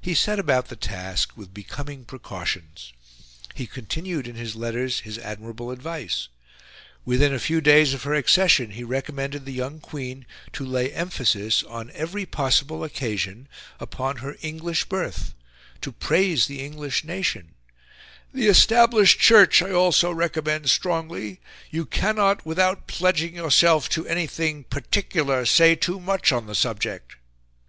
He set about the task with becoming precautions. He continued in his letters his admirable advice. Within a few days of her accession, he recommended the young Queen to lay emphasis, on every possible occasion, upon her English birth; to praise the English nation; "the Established Church I also recommend strongly; you cannot, without PLEDGING yourself to anything PARTICULAR, SAY TOO MUCH ON THE SUBJECT."